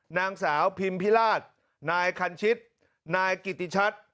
นางสาวพิมพิราชนายคันชิตนายกิติชัด